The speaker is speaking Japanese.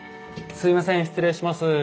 すいません失礼します。